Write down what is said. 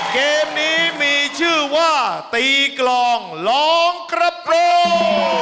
เกมนี้มีชื่อว่าตีกลองลองกระโปรง